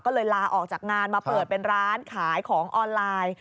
ก็เลยลาออกจากงานมาเปิดเป็นร้านขายของออนไลน์